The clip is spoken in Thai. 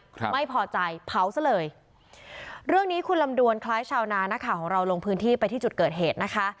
ครับไม่พอใจเผาซะเลยเรื่องนี้คุณลำดวนคล้ายชาวนานักข่าวของเราลงพื้นที่ไปที่จุดเกิดเหตุนะคะ